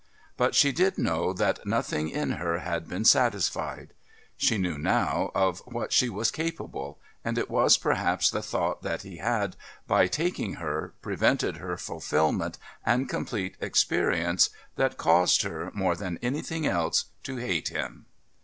But she did know that nothing in her had been satisfied. She knew now of what she was capable, and it was perhaps the thought that he had, by taking her, prevented her fulfilment and complete experience that caused her, more than anything else, to hate him.